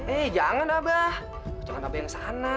eh jangan abah jangan sampai kesana